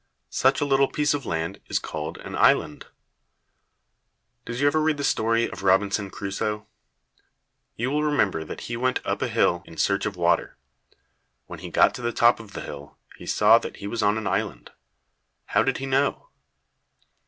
Such a little piece of land is called an island. Did you ever read the story of Robinson Crusoe? You will remember that he went up a hill in search of water. When he got to the top of the hill, he saw that he was on an island. How did he know?